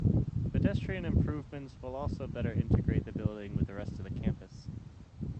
Pedestrian improvements will also better integrate the building with the rest of the campus.